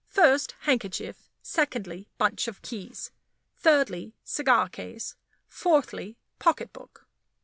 First, handkerchief; secondly, bunch of keys; thirdly, cigar case; fourthly, pocketbook.